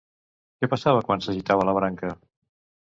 Què passava quan s'agitava la branca?